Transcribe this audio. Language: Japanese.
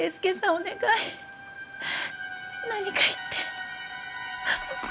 お願い何か言って。